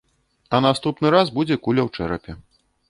А наступны раз будзе куля ў чэрапе.